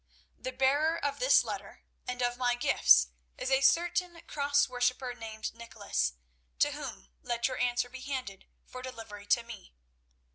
"The bearer of this letter and of my gifts is a certain Cross worshipper named Nicholas, to whom let your answer be handed for delivery to me.